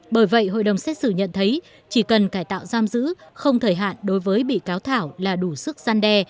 bởi vậy hội đồng xét xử nhận thấy chỉ cần cải tạo giam giữ không thời hạn đối với bị cáo thảo là đủ sức gian đe